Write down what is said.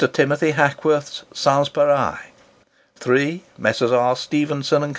Timothy Hackworth's "Sanspareil." 3. Messrs. R. Stephenson and Co.